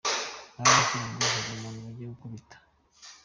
Barambwira ngo hari umuntu bagiye gukubita.